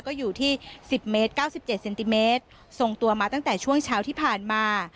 ก็อยู่ที่๑๐เมตร๙๗เซนติเมตรส่งตัวมาตั้งแต่ช่วงเช้าที่ผ่านมา